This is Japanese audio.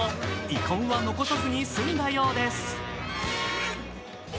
遺恨は残さずに済んだようです。